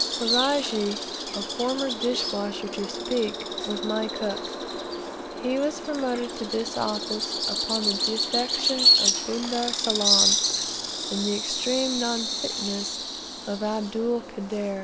Ferajji, a former dish washer to Speke, was my cook. He was promoted to this office upon the defection of Bunder Salaam, and the extreme non fitness of Abdul Kader.